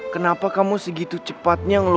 kamu harus kembali sadar